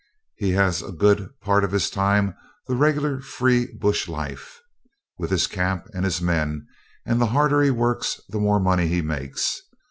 He has a good part of his time the regular free bush life, with his camp and his men, and the harder he works the more money he makes.